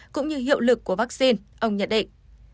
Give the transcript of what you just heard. cũng như hiệu lực của vaccine ông nhận định